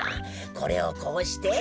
これをこうして。